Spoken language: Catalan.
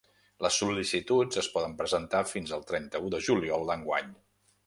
Les sol·licituds es poden presentar fins el trenta-u de juliol d’enguany.